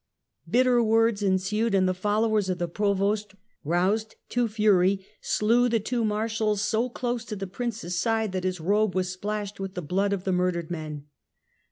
Bitter words ensued, and the followers of the Provost, roused to fury, slew the two Marshals so close to the Prince's side that his robe was splashed with the blood of the murdered men.